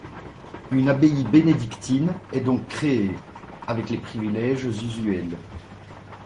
Une abbaye bénédictitine est donc créée, avec les privilèges usuels.